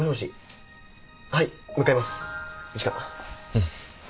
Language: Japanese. うん。